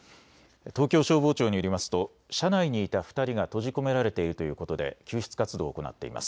東京消防庁によりますと車内にいた２人が閉じ込められているということで救出活動を行っています。